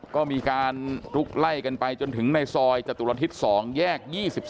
ก็มีการลุกไล่กันไปจนถึงในซอยจตุรทิศ๒แยก๒๒